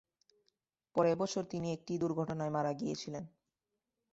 পরের বছর তিনি একটি দুর্ঘটনায় মারা গিয়েছিলেন।